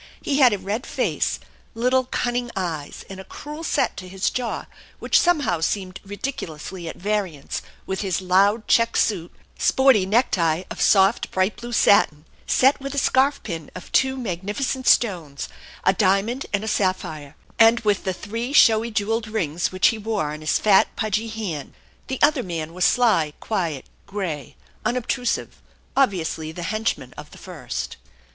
He had a red face, little cunning eyes, and a cruel set to his jaw, which somehow seemed ridiculously at variance with his loud, checked suit, sporty necktie of soft bright blue satin, set with a scarf pin of two magnificent stones, a diamond and a sapphire, and with the three showy jewelled rings which he wore on his fat, pudgy hand. The other man was sly, quiet, gray, unobtrusive, obviously the henchman of the first.